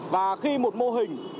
và khi một mô hình